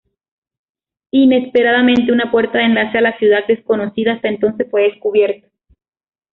Inesperadamente, una puerta de enlace a la ciudad, desconocida hasta entonces, fue descubierta.